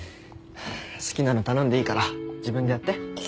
好きなの頼んでいいから自分でやって。